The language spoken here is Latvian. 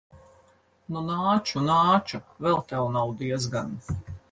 Nu, nāču, nāču. Vēl tev nav diezgan.